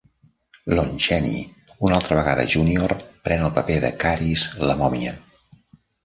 Lon Chaney, una altra vegada júnior pren el paper de Kharis la mòmia.